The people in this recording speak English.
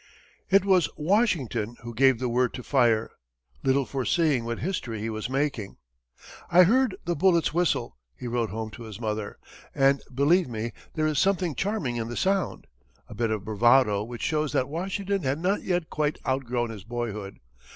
It was Washington who gave the word to fire, little foreseeing what history he was making. "I heard the bullets whistle," he wrote home to his mother, "and believe me, there is something charming in the sound" a bit of bravado which shows that Washington had not yet quite outgrown his boyhood.